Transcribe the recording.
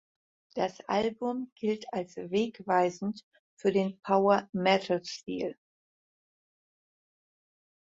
Das Album gilt als wegweisend für den Power-Metal-Stil.